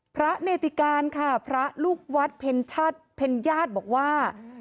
พระเนติกาคะพระลูกวัดเผ็ญชาติเผ็ญญาติบอกว่า